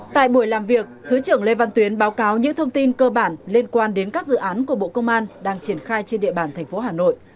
tại buổi làm việc thứ trưởng lê văn tuyến báo cáo những thông tin cơ bản liên quan đến các dự án của bộ công an đang triển khai trên địa bàn thành phố hà nội